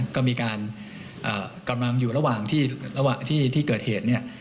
ก็มีการกำลังอยู่ระหว่างที่เกิดเหตุ